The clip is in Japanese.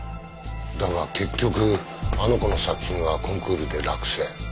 だが結局あの子の作品はコンクールで落選。